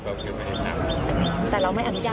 แต่เราไม่อนุญาตให้เข้าไป